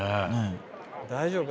大丈夫か？